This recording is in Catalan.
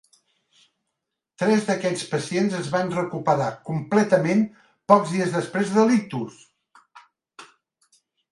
Tres d'aquests pacients es van recuperar completament pocs dies després de l'ictus.